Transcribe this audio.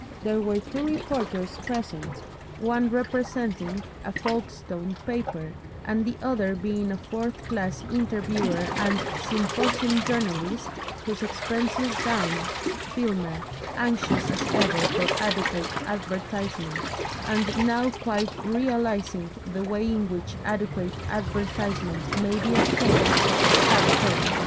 There were two reporters present, one representing a Folkestone paper and the other being a fourth class interviewer and "symposium" journalist, whose expenses down, Filmer, anxious as ever for adequate advertisement and now quite realising the way in which adequate advertisement may be obtained had paid.